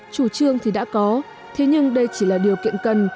chủ trương thì đã có thế nhưng đây chỉ là điều kiện cần